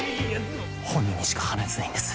本人にしか話せないんです。